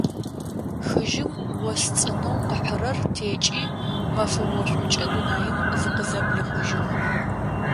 Хыжьым ос цӏынэу къыхьыгъэр текӏи, мэфэ ошӏукӏэ дунаим зыкъызэблихъужьыгъ.